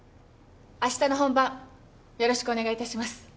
あしたの本番よろしくお願いいたします。